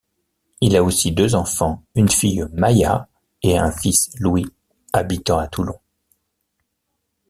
Il a aussi deux enfants, une fille Maïa et un fils Louis, habitant à Toulon.